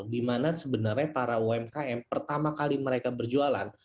di mana sebenarnya para umkm pertama kali mereka berjualan